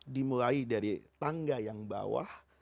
dimulai dari tangga yang bawah